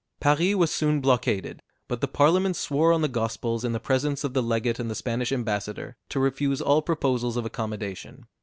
Paris was soon blockaded, but the Parliament swore on the Gospels, in the presence of the Legate and the Spanish Ambassador, to refuse all proposals of accommodation.